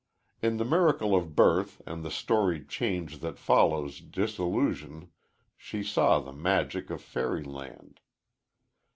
In the miracle of birth and the storied change that follows dissolution she saw the magic of fairyland.